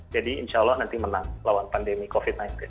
jadi insya allah nanti menang lawan pandemi covid sembilan belas